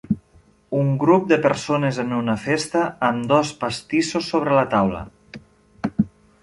Un grup de persones en una festa amb dos pastissos sobre la taula.